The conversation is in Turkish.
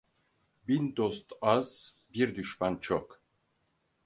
Bin dost az, bir düşman çok.